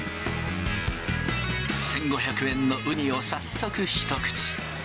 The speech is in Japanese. １５００円のウニを早速、一口。